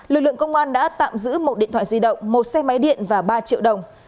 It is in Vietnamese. lực lượng công an đã tạm giữ một điện thoại di động một xe máy điện và ba triệu đồng